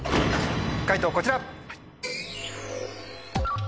解答こちら。